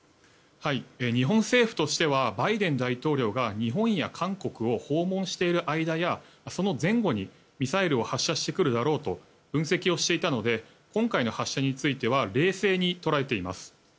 日本政府としてはバイデン大統領が日本や韓国を訪問している間やその前後にミサイルを発射してくるだろうと分析をしていたので今回の発射については冷静に捉えています。